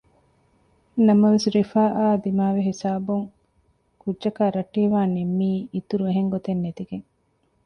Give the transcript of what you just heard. ނަމަވެސް ރިފާއާ ދިމާވި ހިސާބުން ކުއްޖަކާ ރައްޓެހިވާން ނިންމީ އިތުރު އެހެން ގޮތެއް ނެތިގެން